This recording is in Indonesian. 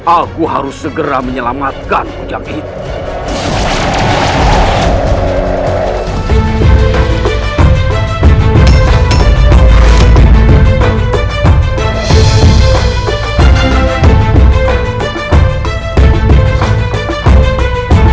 aku harus segera menyelamatkan kujang itu